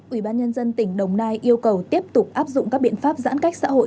ủy ban nhân dân tỉnh đồng nai yêu cầu tiếp tục áp dụng các biện pháp giãn cách xã hội